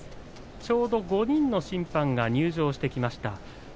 ちょうど５人の審判が入場してきました。